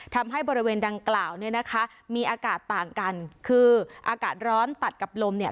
ทำให้บริเวณดังกล่าวเนี่ยนะคะมีอากาศต่างกันคืออากาศร้อนตัดกับลมเนี่ย